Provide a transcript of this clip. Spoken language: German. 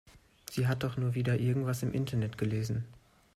Sie hat doch nur wieder irgendwas im Internet gelesen.